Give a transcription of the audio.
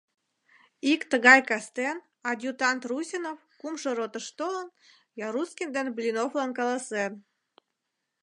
Ик тыгай кастен адъютант Русинов кумшо ротыш толын, Ярускин ден Блиновлан каласен: